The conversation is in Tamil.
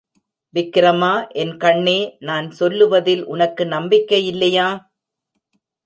விக்கிரமா, என் கண்ணே, நான் சொல்லுவதில் உனக்கு நம்பிக்கையில்லையா?